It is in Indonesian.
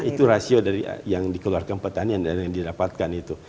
jadi itu rasio dari yang dikeluarkan petani dan yang didapatkan itu